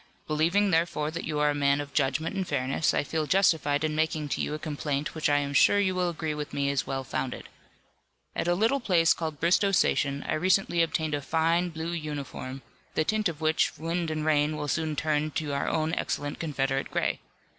Believing therefore that you are a man of judgment and fairness I feel justified in making to you a complaint which I am sure you will agree with me is well founded. At a little place called Bristoe Station I recently obtained a fine, blue uniform, the tint of which wind and rain will soon turn to our own excellent Confederate gray.